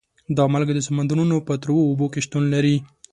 دا مالګه د سمندرونو په تروو اوبو کې شتون لري.